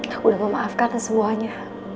aku udah memaafkan semuanya